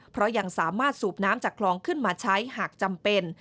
เพราะยังสามารถสูบน้ำจากคลองขึ้นมาใช้หากจำเป็น